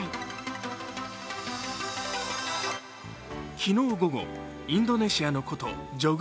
昨日午後、インドネシアの古都ジョグ